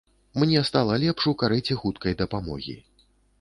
Мне стала лепш у карэце хуткай дапамогі.